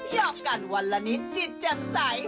ยอบกันวันละนิดจิตจังใส